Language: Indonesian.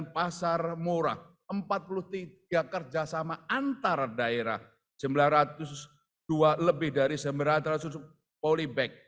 satu ratus tujuh puluh sembilan pasar murah empat puluh tiga kerjasama antar daerah sembilan ratus dua lebih dari sembilan ratus satu polybag